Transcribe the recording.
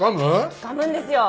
つかむんですよ